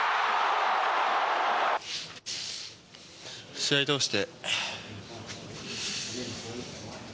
試合を通して。